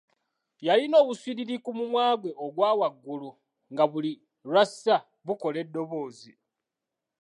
Yalina obuswiriri ku mumwa gwe ogwawaggulu nga buli lw’assa bukola eddoboozi.